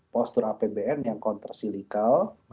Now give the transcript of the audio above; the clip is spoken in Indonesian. postur apbn yang kontrasilikal